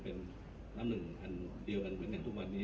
โปรดติดตามตอนต่อไป